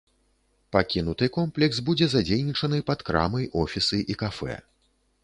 Пакінуты комплекс будзе задзейнічаны пад крамы, офісы і кафэ.